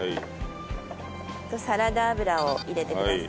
サラダ油を入れてください。